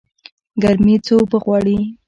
ګرمي څه اوبه غواړي؟